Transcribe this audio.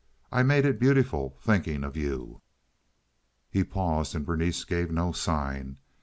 I made it beautiful thinking of you." He paused, and Berenice gave no sign.